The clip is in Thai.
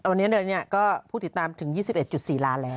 วันนี้เลยก็ผู้ติดตามถึง๒๑๔ล้านแล้ว